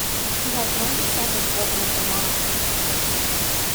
He has known descendants living in Vermont.